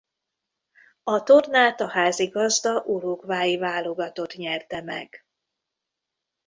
A tornát a házigazda uruguayi válogatott nyerte meg.